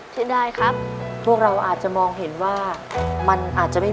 เสียดายครับพวกเราอาจจะมองเห็นว่ามันอาจจะไม่มี